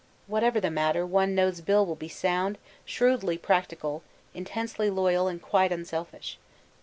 Whatever the matter, one knows Bill will be sound, shrewdly practical, intensely loyal and quite unselfish.